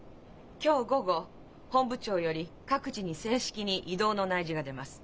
今日午後本部長より各自に正式に異動の内示が出ます。